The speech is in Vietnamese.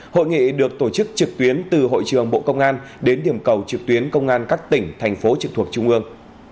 hội nghị được tổ chức trực tuyến từ hội trường bộ công an đến điểm cầu trực tuyến công an các tỉnh thành phố trực thuộc trung ương